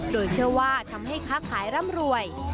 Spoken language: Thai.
โดยเชื่อว่าทำให้ค้าขายร่ำรวย